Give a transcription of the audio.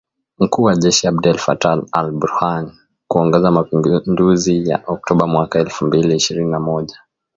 mkuu wa jeshi Abdel Fattah al-Burhan kuongoza mapinduzi ya Oktoba mwaka elfu mbili ishirini na moja